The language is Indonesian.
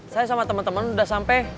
saya sama teman teman udah sampai